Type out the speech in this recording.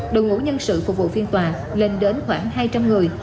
đội ngũ nhân sự phục vụ phiên tòa lên đến khoảng hai trăm linh người